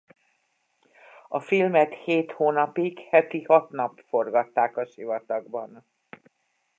A filmet hét hónapig heti hat nap forgatták a sivatagban.